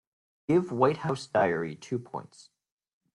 Give White House Diary two points